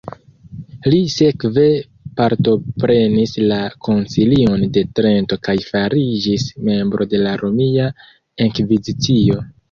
Li sekve partoprenis la koncilion de Trento kaj fariĝis membro de la Romia Inkvizicio.